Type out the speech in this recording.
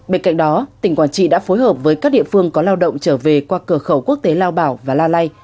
bên cạnh đó tỉnh quảng trị đã phối hợp với các địa phương có lao động trở về qua cửa khẩu quốc tế lao bảo và la lai